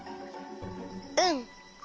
うん。